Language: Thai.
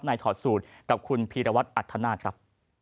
ถอดสูตรกับคุณพีรวัตรอัธนาคครับ